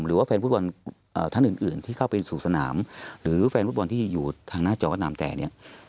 หรือว่าแฟนฟุตบอลท่านอื่นที่เข้าไปสู่สนามหรือแฟนฟุตบอลที่อยู่ทางหน้าจอก็ตามแต่เนี่ย